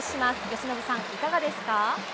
由伸さん、いかがですか？